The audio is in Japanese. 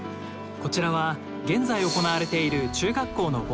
こちらは現在行われている中学校の防災訓練。